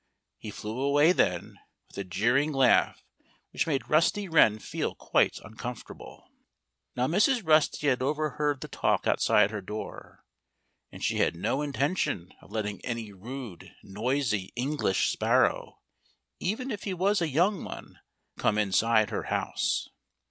He flew away then, with a jeering laugh which made Rusty Wren feel quite uncomfortable. Now Mrs. Rusty had overheard the talk outside her door. And she had no intention of letting any rude, noisy English sparrow even if he was a young one come inside her house.